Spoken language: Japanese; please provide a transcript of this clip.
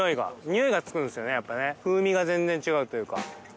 やっぱりね風味が全然違うというか。